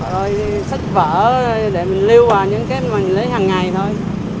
rồi sách vở để mình lưu vào những cái mình lấy hàng ngày thôi